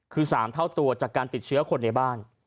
คือ๓เท่าตัวจากการติดเชื้อคนในบ้าน